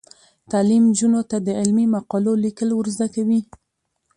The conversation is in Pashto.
تعلیم نجونو ته د علمي مقالو لیکل ور زده کوي.